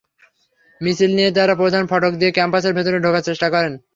মিছিল নিয়ে তাঁরা প্রধান ফটক দিয়ে ক্যাম্পাসের ভেতরে ঢোকার চেষ্টা করেন।